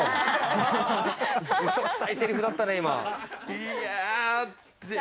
ウソくさいセリフだったね、今。